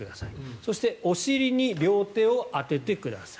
そしてお尻に両手を当ててください。